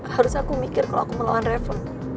harus aku mikir kalo aku melawan reva